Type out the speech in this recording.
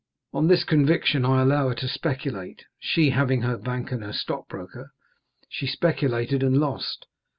On this conviction I allow her to speculate, she having her bank and her stockbroker; she speculated and lost.